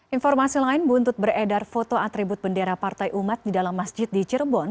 informasi lain buntut beredar foto atribut bendera partai umat di dalam masjid di cirebon